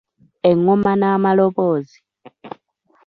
Engoma n’amaloboozi.